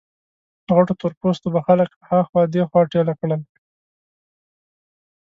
غټو تور پوستو به خلک ها خوا دې خوا ټېله کړل.